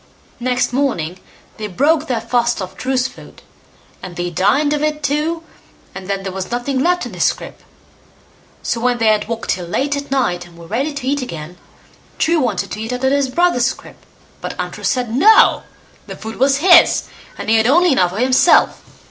Next morning they broke their fast off True's food, and they dined off it too, and then there was nothing left in his scrip. So when they had walked till late at night, and were ready to eats again, True wanted to eat out of his brother's scrip, but Untrue said "No", the food was his, and he had only enough for himself.